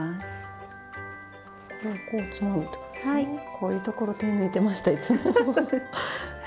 こういうところ手抜いてましたいつも。